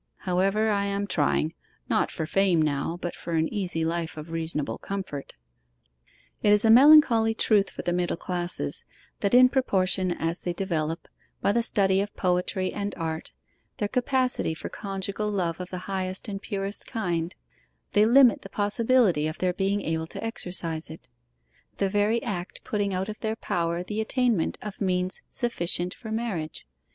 However, I am trying not for fame now, but for an easy life of reasonable comfort.' It is a melancholy truth for the middle classes, that in proportion as they develop, by the study of poetry and art, their capacity for conjugal love of the highest and purest kind, they limit the possibility of their being able to exercise it the very act putting out of their power the attainment of means sufficient for marriage.